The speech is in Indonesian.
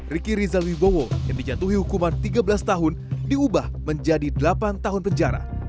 riki rizal wibowo yang dijatuhi hukuman tiga belas tahun diubah menjadi delapan tahun penjara